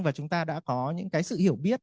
và chúng ta đã có những cái sự hiểu biết